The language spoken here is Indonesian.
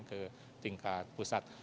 jadi tingkat pusat